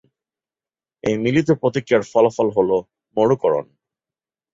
এই মিলিত প্রক্রিয়ার ফলাফল হলো মরুকরন।